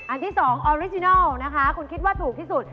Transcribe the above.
ที่๒ออริจินัลนะคะคุณคิดว่าถูกที่สุด